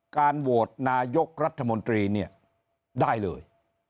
การโหวตนายกรัฐมนตรีเนี่ยได้เลย